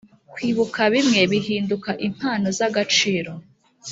kwibuka bimwe bihinduka impano zagaciro